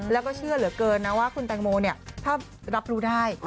แล้วก็เชื่อเหลือเกินนะว่าคุณแตงโมเนี่ยถ้ารับรู้ได้